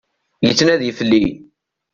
Yettnadi fell-i.